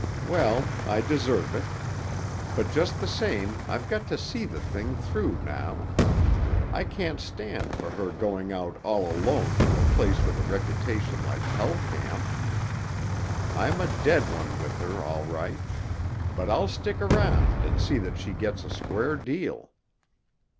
Well, I deserve it. But just the same I've got to see the thing through now. I can't stand for her going out all alone to a place with a reputation like Hell Camp. I'm a dead one with her, all right; but I'll stick around and see that she gets a square deal."